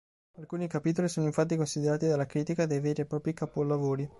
Alcuni capitoli sono infatti considerati dalla critica dei veri e propri capolavori.